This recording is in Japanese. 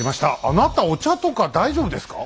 あなたお茶とか大丈夫ですか？